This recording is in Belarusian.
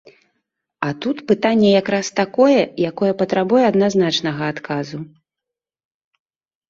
А тут пытанне якраз такое, якое патрабуе адназначнага адказу.